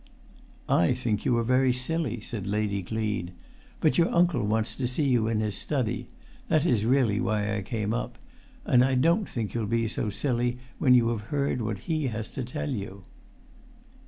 "I think you are very silly," said Lady Gleed. "But your uncle wants to see you in his study; that is really why I came up; and I don't think you'll be so silly when you have heard what he has to tell you."